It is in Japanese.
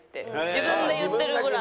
自分で言ってるぐらい。